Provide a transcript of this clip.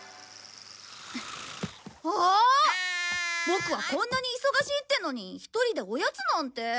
ボクはこんなに忙しいってのに１人でおやつなんて！